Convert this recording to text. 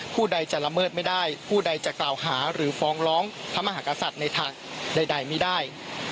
ผู้ใดจะละเมิดไม่ได้ผู้ใดจะกล่าวหาหรือฟ้องร้องพระมหากษัตริย์ในทางใดไม่ได้